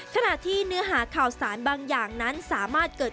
ขณะที่เนื้อหาข่าวสารบางอย่างนั้นสามารถเกิด